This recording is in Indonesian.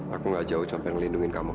aku gak jauh sampai ngelindungin kamu